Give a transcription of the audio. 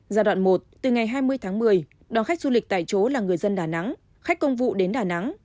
giai đoạn một từ ngày hai mươi tháng một mươi đón khách du lịch tại chỗ là người dân đà nẵng khách công vụ đến đà nẵng